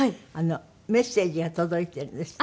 メッセージが届いてるんですって。